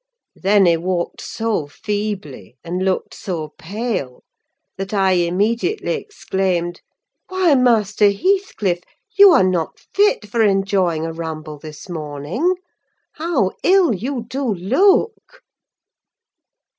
Then he walked so feebly, and looked so pale, that I immediately exclaimed,—"Why, Master Heathcliff, you are not fit for enjoying a ramble this morning. How ill you do look!"